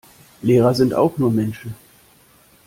Lehrer sind auch nur Menschen.